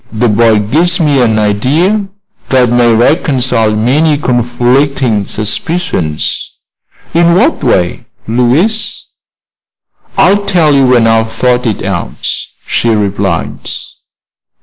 The boy gives me an idea that may reconcile many conflicting suspicions." "In what way, Louise?" "I'll tell you when I've thought it out," she replied.